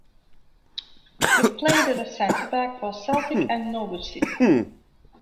He played as a centre back for Celtic and Norwich City.